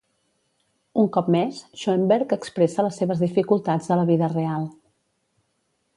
Un cop més, Schoenberg expressa les seves dificultats a la vida real.